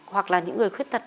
hoặc là những người khuyết tật